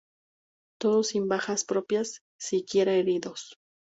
Todo sin bajas propias, siquiera heridos.